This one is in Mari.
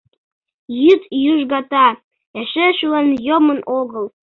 Йӱд южгата эше шулен йомын огыл.